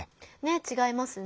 違いますね。